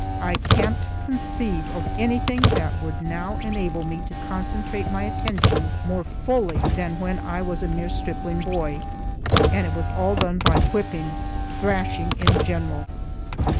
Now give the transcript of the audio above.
I can't conceive of anything that would now enable me to concentrate my attention more fully than when I was a mere stripling boy, and it was all done by whipping,—thrashing in general.